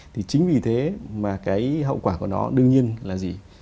thì chính vì thế mà cái hậu quả của nó đương nhiên là gì